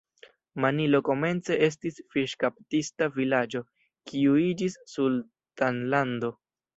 Manilo komence estis fiŝkaptista vilaĝo, kiu iĝis sultanlando.